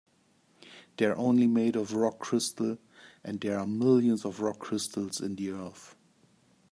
They're only made of rock crystal, and there are millions of rock crystals in the earth.